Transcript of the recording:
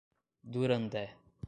Durandé